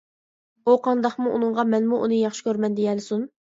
ئۇ قانداقمۇ ئۇنىڭغا «مەنمۇ ئۇنى ياخشى كۆرىمەن دېيەلىسۇن» .